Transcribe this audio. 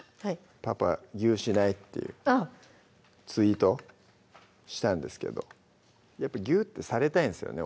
「パパぎゅーしない」っていうツイートしたんですけどやっぱぎゅってされたいんですよね